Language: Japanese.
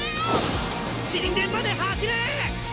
神殿まで走れ！